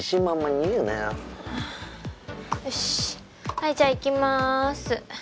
はいじゃあいきまーす。